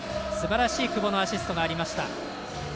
すばらしい久保のアシストがありました。